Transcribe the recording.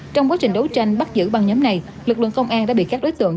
trong quá trình đấu tranh bắt giữ băng nhóm này lực lượng công an đã bị các đối tượng